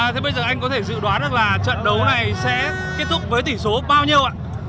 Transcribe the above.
thế bây giờ anh có thể dự đoán được là trận đấu này sẽ kết thúc với tỷ số bao nhiêu ạ